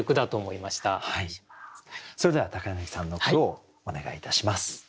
それでは柳さんの句をお願いいたします。